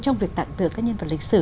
trong việc tặng tượng các nhân vật lịch sử